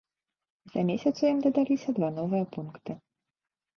За месяц у ім дадаліся два новыя пункты.